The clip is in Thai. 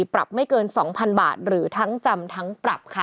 ปรับไม่เกิน๒๐๐๐บาทหรือทั้งจำทั้งปรับค่ะ